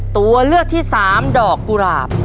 ตัวเลือกที่๓ดอกกุหลาบ